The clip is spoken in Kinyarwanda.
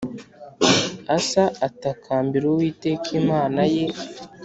Asa atakambira Uwiteka Imana ye